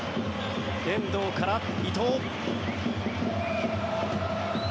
遠藤から伊藤。